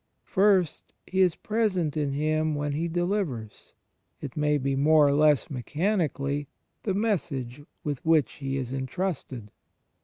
First He is present in him when he delivers, it may be more or less mechanically, the message with which he is entrusted.